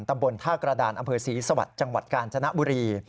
ตำบลท่ากระดานอำเภอศรีสวรรค์จังหวัดกาญจนบุรี